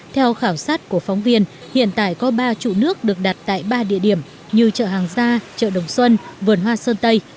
theo khảo sát của phóng viên hiện tại có ba trụ nước được đặt tại ba địa điểm như chợ hàng gia chợ đồng xuân vườn hoa sơn tây